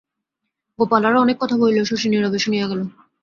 গোপাল আরও অনেক কথা বলিল, শশী নীরবে শুনিয়া গেল।